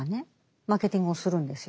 マーケティングをするんですよ。